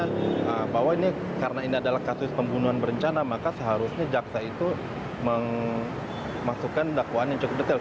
karena bahwa ini karena ini adalah kasus pembunuhan berencana maka seharusnya jaksa itu memasukkan dakwaan yang cukup detail